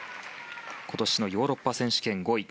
今年のヨーロッパ選手権４位。